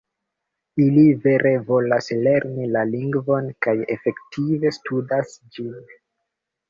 Ili vere volas lerni la lingvon kaj efektive studas ĝin.